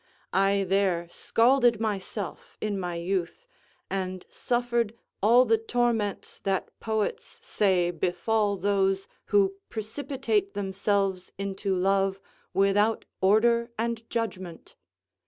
I there scalded myself in my youth, and suffered all the torments that poets say befall those who precipitate themselves into love without order and judgment.